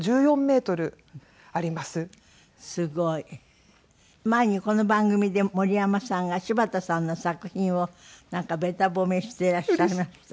すごい。前にこの番組で森山さんが柴田さんの作品をなんかべた褒めしていらっしゃいました。